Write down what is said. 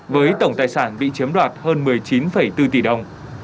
với tổng tài sản bị chiếm đoạt hơn một mươi chín bốn tỷ đồng